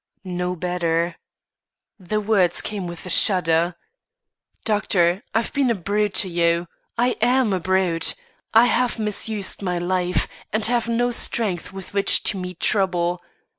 "No better." The words came with a shudder. "Doctor, I've been a brute to you. I am a brute! I have misused my life and have no strength with which to meet trouble.